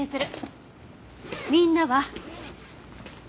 みんなは。